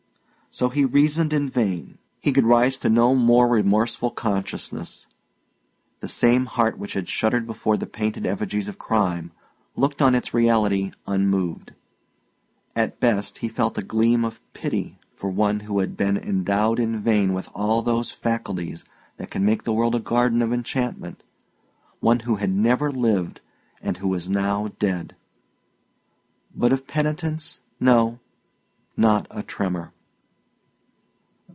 So he reasoned in vain; he could rise to no more remorseful consciousness; the same heart which had shuddered before the painted effigies of crime, looked on its reality unmoved. At best, he felt a gleam of pity for one who had been endowed in vain with all those faculties that can make the world a garden of enchantment, one who had never lived and who was now dead. But of penitence, no, not a tremor.